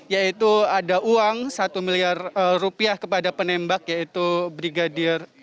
yaitu ada uang satu miliar rupiah kepada penembak yaitu brigadir